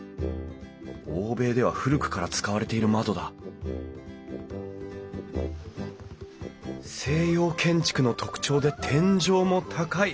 欧米では古くから使われている窓だ西洋建築の特徴で天井も高い！